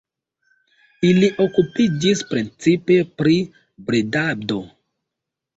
Ili okupiĝis precipe pri bredado.